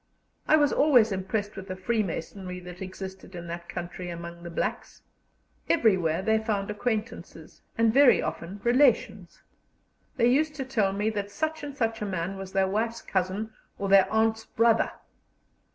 I was always impressed with the freemasonry that existed in that country among the blacks. Everywhere they found acquaintances, and very often relations. They used to tell me that such and such a man was their wife's cousin or their aunt's brother.